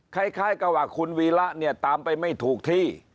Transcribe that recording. คล้ายกับว่าคุณวีระเนี่ยตามไปไม่ถูกที่